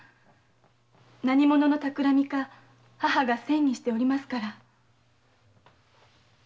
何者の企みか母が詮議しておりますから。